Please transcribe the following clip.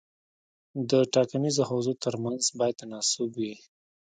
د ټاکنیزو حوزو ترمنځ باید تناسب وي.